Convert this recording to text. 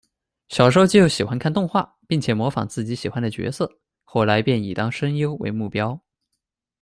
小时候就喜欢看动画，并且模仿自己喜欢的角色，后来便以当声优为目标。